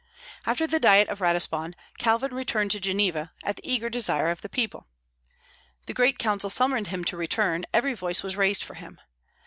After the Diet of Ratisbon, Calvin returned to Geneva, at the eager desire of the people. The great Council summoned him to return; every voice was raised for him.